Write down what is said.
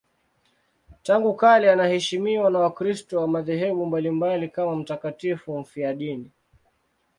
Tangu kale anaheshimiwa na Wakristo wa madhehebu mbalimbali kama mtakatifu mfiadini.